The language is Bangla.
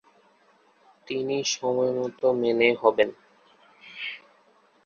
তিনি সময়মতো মেনে হবেন।